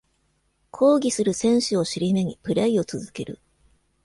抗議する選手を尻目にプレイを続ける